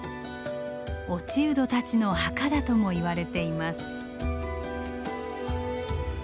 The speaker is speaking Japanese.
落人たちの墓だともいわれています。